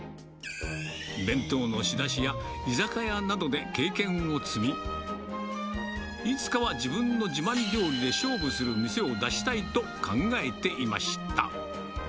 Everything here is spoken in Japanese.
弁当の仕出しや居酒屋などで経験を積み、いつかは自分の自慢料理で勝負する店を出したいと考えていました。